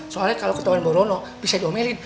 soalnya kalau ketahuan borono bisa diomelin